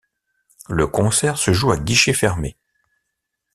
Le concert se joue à guichet fermé.